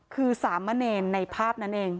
คือสามเณรในภาพนั้นเอง